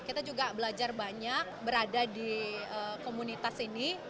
kita juga belajar banyak berada di komunitas ini